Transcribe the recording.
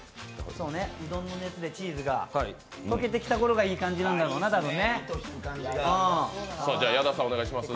うどんの熱でチーズが溶けてきたころがいいんだろうね。